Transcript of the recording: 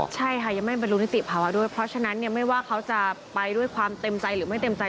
ใช่ค่ะยังไม่บรรลุนิติภาวะด้วยเพราะฉะนั้นไม่ว่าเขาจะไปด้วยความเต็มใจหรือไม่เต็มใจ